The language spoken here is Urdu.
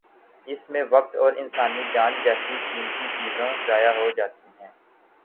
اس میں وقت اور انسانی جان جیسی قیمتی چیزوں ضائع ہو جاتی ہیں۔